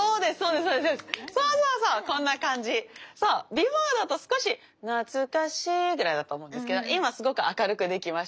ビフォーだと少し「なつかしい」ぐらいだと思うんですけど今すごく明るくできました。